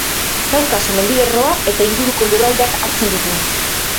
Kaukaso mendilerroa eta inguruko lurraldeak hartzen ditu.